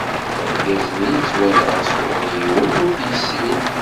Argaz-nni, ittwanɣa sɣur yiwen ur t-yessin.